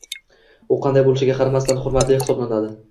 U qanday bo‘lishiga qaramasdan hurmati hisoblanadi.